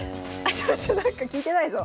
ちょっとなんか聞いてないぞ。